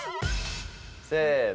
せの。